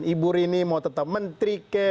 ibu rini mau tetap menteri kek